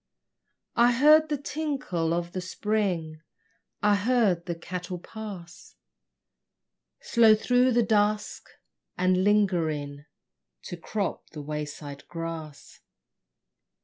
I heard the tinkle of the spring, I heard the cattle pass Slow through the dusk, and lingering To crop the wayside grass.